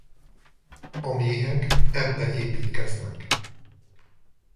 A méhek ebbe építkeznek.